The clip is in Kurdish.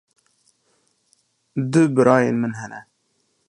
Du birayên min hene.